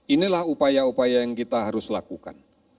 inilah upaya upaya yang kita harus lakukan